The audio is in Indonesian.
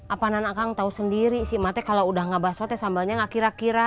apa nanak kang tau sendiri si emak kalau udah gak baso sambalnya gak kira kira